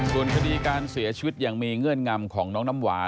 ส่วนคดีการเสียชีวิตอย่างมีเงื่อนงำของน้องน้ำหวาน